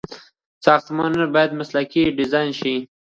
ساختمانونه باید مسلکي ډيزاين شي.